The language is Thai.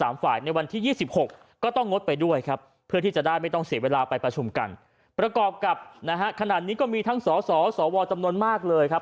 ไม่ต้องเสียเวลาไปประชุมกันประกอบกับขนาดนี้ก็มีทั้งสสสวจำนวนมากเลยครับ